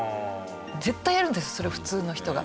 絶対やるんですそれを普通の人が。